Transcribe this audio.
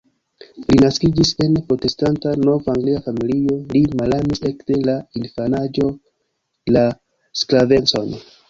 Li naskiĝis en protestanta nov-anglia familio, li malamis ekde la infanaĝo la sklavecon.